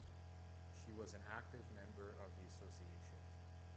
She was an active member of the associations.